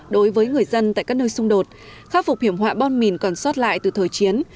đối với người dân tại các nơi xung đột khắc phục hiểm họa bom mìn còn sót lại từ thời chiến